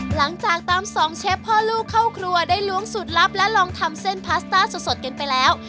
หลังจากตามสองเชฟพ่อลูกเข้าครัวได้ล้วงสูตรลับและลองทำเส้นพาสต้าสดกันไปแล้ว